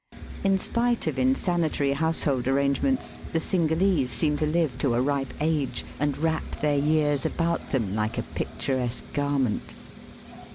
In spite of insanitary household arrangements, the Cingalese seem to live to a ripe age, and wrap their years about them like a picturesque garment.